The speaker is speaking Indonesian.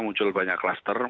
muncul banyak klaster